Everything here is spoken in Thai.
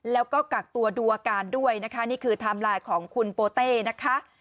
แล้วก็กักตัวดูอาการด้วยนะคะนี่คือไทม์ไลน์ของคุณโปเต้นะคะ